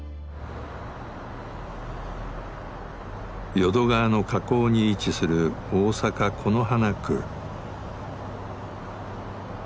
淀川の河口に位置する大阪・此花区。